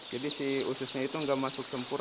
jadi si ususnya itu tidak masuk sempurna